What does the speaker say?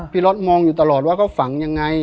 พี่รถมองอยู่ตลอดว่าก็ฝังยังไง